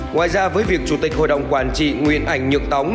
ngoài ra với việc chủ tịch hội đồng quản trị nguyên ảnh nhược tống